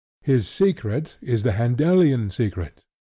His secret is the Handelian secret.